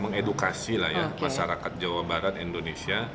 mengedukasi lah ya masyarakat jawa barat indonesia